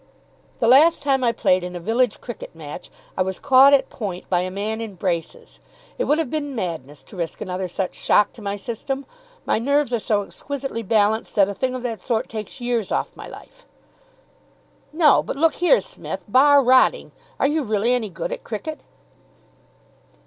"The last time I played in a village cricket match I was caught at point by a man in braces. It would have been madness to risk another such shock to my system. My nerves are so exquisitely balanced that a thing of that sort takes years off my life." "No, but look here, Smith, bar rotting. Are you really any good at cricket?"